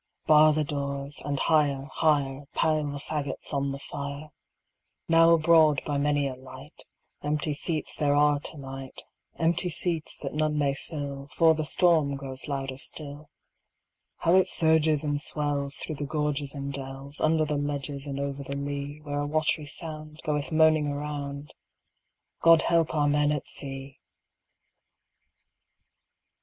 Bar the doors, and higher, higher Pile the faggots on the fire: Now abroad, by many a light, Empty seats there are to night Empty seats that none may fill, For the storm grows louder still: How it surges and swells through the gorges and dells, Under the ledges and over the lea, Where a watery sound goeth moaning around God help our men at sea!